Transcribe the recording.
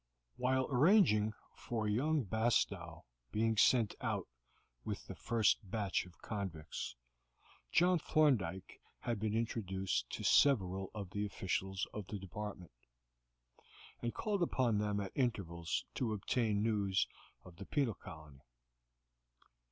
While arranging for young Bastow being sent out with the first batch of convicts John Thorndyke had been introduced to several of the officials of the Department, and called upon them at intervals to obtain news of the penal colony.